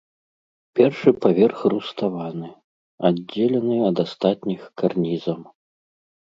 Першы паверх руставаны, аддзелены ад астатніх карнізам.